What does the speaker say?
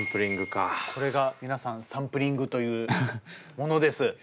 これが皆さんサンプリングというものです。